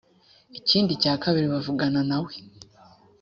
ikindi cya kabiri bavugana na we .